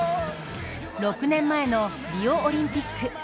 ６年前のリオオリンピック。